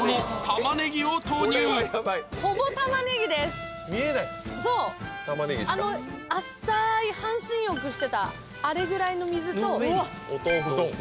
玉ねぎしか浅い半身浴してたあれぐらいの水とお豆腐ドン！